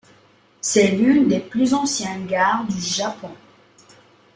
C'est l'une des plus anciennes gares du Japon.